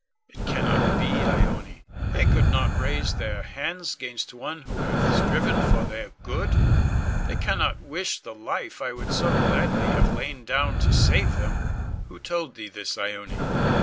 Con. It cannot be, Ione! They could not raise their hands 'gainst one who hath striven for their good. They cannot wish the life I would so gladly have lain down to save them. Who told thee this, Ione?